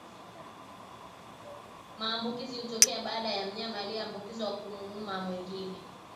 Maambukizi hutokea baada ya mnyama aliyeambukizwa kumuuma mwingine